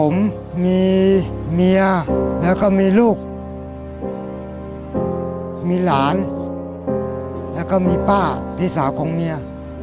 มีหลานแล้วก็มีป้าพี่สาวของเมีย